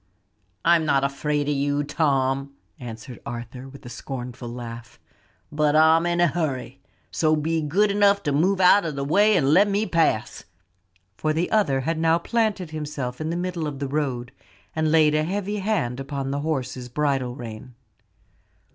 "I'm not afraid of you, Tom," answered Arthur, with a scornful laugh, "but I'm in a hurry; so be good enough to move out of the way and let me pass." For the other had now planted himself in the middle of the road, and laid a heavy hand upon the horse's bridle rein.